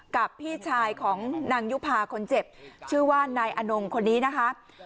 กับพี่ชายของนางยุภาคนเจ็บชื่อว่านายอนงคนนี้นะคะ